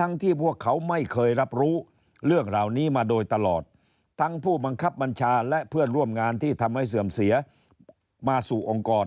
ทั้งที่พวกเขาไม่เคยรับรู้เรื่องเหล่านี้มาโดยตลอดทั้งผู้บังคับบัญชาและเพื่อนร่วมงานที่ทำให้เสื่อมเสียมาสู่องค์กร